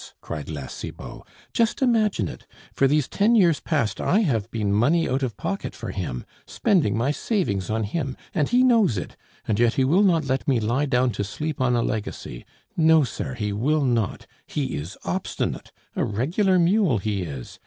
cried La Cibot. "Just imagine it! For these ten years past I have been money out of pocket for him, spending my savings on him, and he knows it, and yet he will not let me lie down to sleep on a legacy! No, sir! he will not. He is obstinate, a regular mule he is.